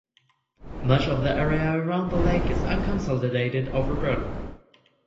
Much of the area around the lake is unconsolidated overburden.